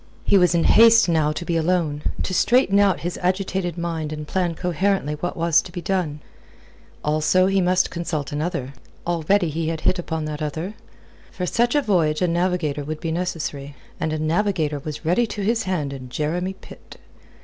He was in haste now to be alone, to straighten out his agitated mind and plan coherently what was to be done. Also he must consult another. Already he had hit upon that other. For such a voyage a navigator would be necessary, and a navigator was ready to his hand in Jeremy Pitt.